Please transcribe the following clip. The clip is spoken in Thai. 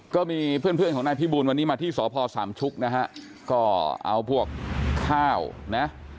ก็มีเพื่อนเพื่อนของนายพี่บูลวันนี้มาที่สพสามชุกนะฮะก็เอาพวกข้าวนะ